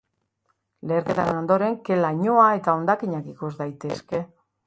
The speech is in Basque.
Leherketaren ondoren ke lainoa eta hondakinak ikus daitezke.